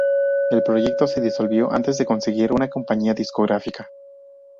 El proyecto se disolvió antes de conseguir una compañía discográfica.